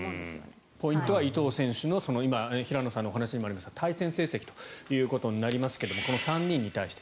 ポイントは伊藤選手の今、平野さんのお話にもありましたが対戦成績ということになりますがこの３人に対して。